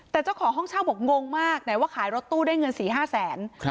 แต่เจ้าของห้องเช่าบอกงงมากไหนว่าขายรถตู้ได้เงิน๔๕แสน